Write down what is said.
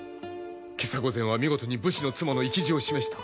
袈裟御前は見事に武士の妻の意気地を示した。